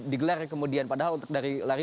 digelar kemudian padahal untuk dari lari